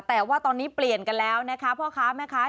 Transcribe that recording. แต่ว่าตอนนี้เปลี่ยนกันแล้วนะคะพ่อค้าแม่ค้า